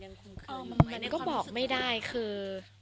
มันก็บอกไม่ได้คือ